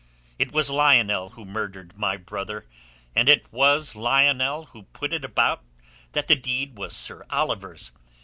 It was Lionel who murdered my brother and it was Lionel who put it about that the deed was Sir Oliver's.